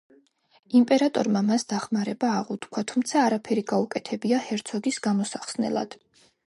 იმპერატორმა მას დახმარება აღუთქვა, თუმცა არაფერი გაუკეთებია ჰერცოგის გამოსახსნელად.